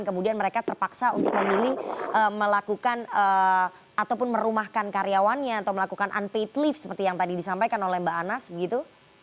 kemudian mereka terpaksa untuk memilih melakukan ataupun merumahkan karyawannya atau melakukan unpaid leave seperti yang tadi disampaikan oleh mbak anas begitu